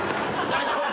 大丈夫か？